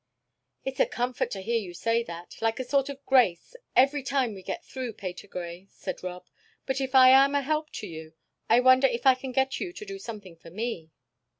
"It's a comfort to hear you say that, like a sort of grace, every time we get through, Patergrey," said Rob. "But if I am a help to you, I wonder if I can get you to do something for me?"